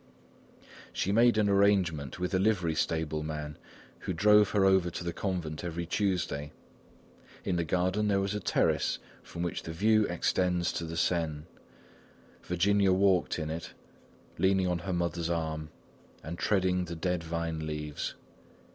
She made an arrangement with a livery stable man who drove her over to the convent every Tuesday. In the garden there was a terrace, from which the view extends to the Seine. Virginia walked in it, leaning on her mother's arm and treading the dead vine leaves.